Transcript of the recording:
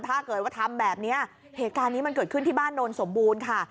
ถ้าเกิดว่าทำแบบนี้เหตุการณ์นี้มันเกิดขึ้นที่บ้านโนนสมบูรณ์ค่ะ